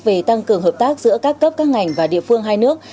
về tăng cường hợp tác giữa các cấp các ngành và địa phương hai nước